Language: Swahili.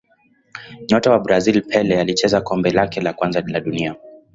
Nyota wa Brazil Pele alicheza kombe lake la kwanza la dunia